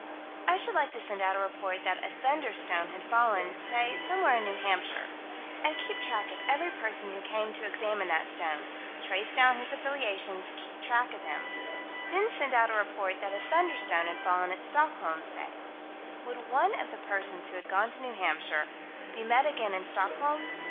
I should like to send out a report that a "thunderstone" had fallen, say, somewhere in New Hampshire And keep track of every person who came to examine that stone trace down his affiliations keep track of him Then send out a report that a "thunderstone" had fallen at Stockholm, say Would one of the persons who had gone to New Hampshire, be met again in Stockholm?